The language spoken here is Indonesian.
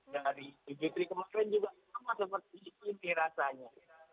dari jujur kemarin juga sama seperti ini rasanya